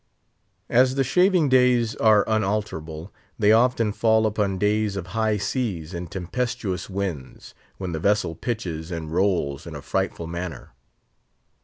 As the shaving days are unalterable, they often fall upon days of high seas and tempestuous winds, when the vessel pitches and rolls in a frightful manner.